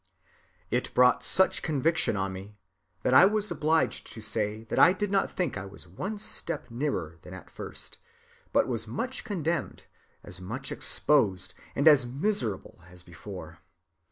"It brought such conviction on me that I was obliged to say that I did not think I was one step nearer than at first, but as much condemned, as much exposed, and as miserable as before.